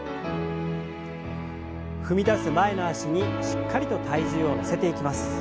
踏み出す前の脚にしっかりと体重を乗せていきます。